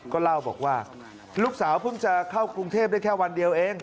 ก็เล่าบอกว่าลูกสาวเพิ่งจะเข้ากรุงเทพได้แค่วันเดียวเอง